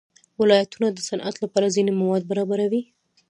ولایتونه د صنعت لپاره ځینې مواد برابروي.